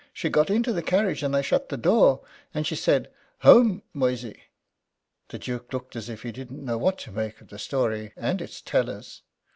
She got into the carriage, and I shut the door, and she said, 'Home, Moysey!'" The Duke looked as if he did not know what to make of the story and its tellers.